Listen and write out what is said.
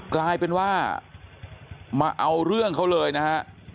กลายเป็นว่ามาเอาเรื่องเขาเลยนะฮะ